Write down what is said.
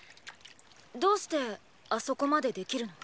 どうしてあそこまでできるの？